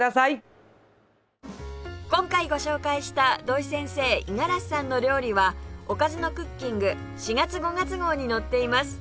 今回ご紹介した土井先生五十嵐さんの料理は『おかずのクッキング』４月５月号に載っています